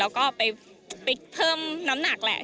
แล้วก็ไปเพิ่มน้ำหนักแหละ